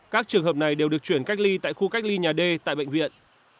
các trường hợp này đều được chuyển cách ly tại khu cách ly nhà d tại bệnh viện